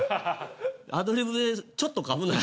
アドリブでちょっと噛むなや。